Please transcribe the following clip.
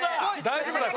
大丈夫だ。